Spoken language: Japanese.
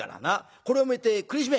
これを見て苦しめ！